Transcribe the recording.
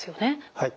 はい。